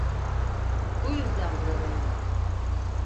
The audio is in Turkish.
Bu yüzden buradayım.